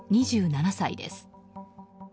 ２７歳です。